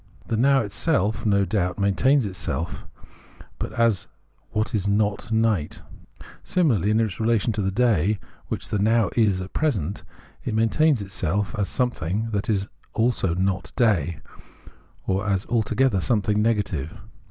The Now itself no doubt maintains itself, but as what is not night ; similarly in its relation to the day which the Now is at present, it maintains itself as something that is also not day, or as altogether something negative.